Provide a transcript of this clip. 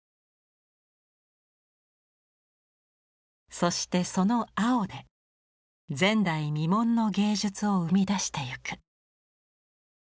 そしてその青で前代未聞の芸術を生み出していく。